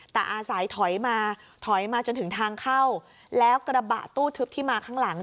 แต่อาศัยถอยมาถอยมาจนถึงทางเข้าแล้วกระบะตู้ทึบที่มาข้างหลัง